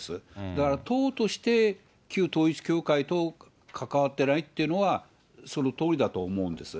だから党として旧統一教会と関わってないっていうのは、そのとおりだと思うんです。